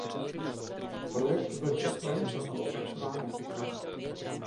Projekt byl tiskem často označován jako krach.